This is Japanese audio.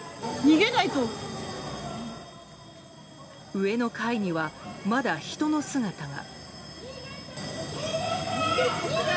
上の階には、まだ人の姿が。